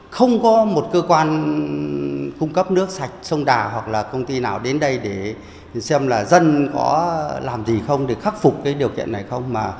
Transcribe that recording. không có một cơ quan cung cấp nước sạch sông đà hoặc là công ty nào đến đây để xem là dân có làm gì không để khắc phục cái điều kiện này không